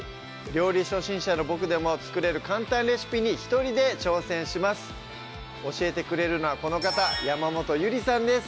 料理初心者のボクでも作れる簡単レシピに一人で挑戦します教えてくれるのはこの方山本ゆりさんです